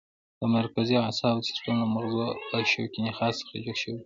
د مرکزي اعصابو سیستم له مغز او شوکي نخاع څخه جوړ شوی دی.